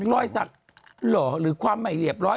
รอยสักเหรอหรือความไม่เรียบร้อย